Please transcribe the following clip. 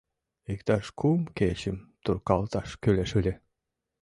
Иктаж кум кечым туркалташ кӱлеш ыле...